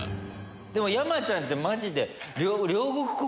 でも山ちゃんってマジで。